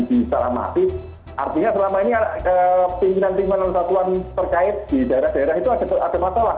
artinya selama ini pemerintahan pemerintahan percaya di daerah daerah itu ada masalah